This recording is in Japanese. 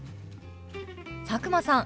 佐久間さん